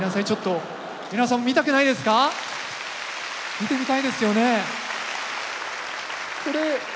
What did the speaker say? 見てみたいですよね？